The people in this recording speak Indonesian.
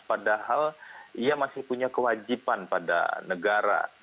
padahal ia masih punya kewajiban pada negara